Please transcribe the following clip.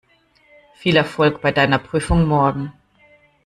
Viel Erfolg bei deiner Prüfung morgen!